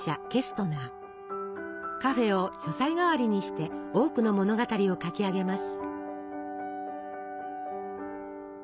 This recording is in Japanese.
カフェを書斎代わりにして多くの物語を書き上げます。